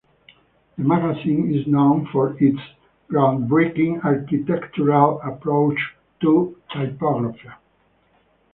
The magazine is known for its groundbreaking architectural approach to typography.